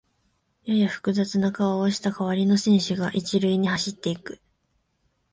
やや複雑な顔をした代わりの選手が一塁に走っていく